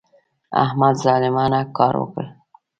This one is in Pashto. احمد ظالمانه کار وکړ.